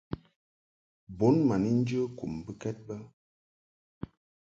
Bun ma ni njə kum mbɨkɛd bə.